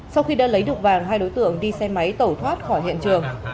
sau khi đã lấy được vàng hai đối tượng đi xe máy tẩu thoát khỏi hiện trường